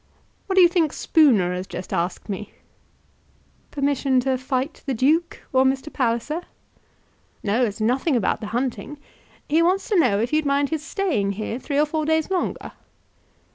"What do you think Spooner has just asked me?" "Permission to fight the Duke, or Mr. Palliser?" "No, it's nothing about the hunting. He wants to know if you'd mind his staying here three or four days longer."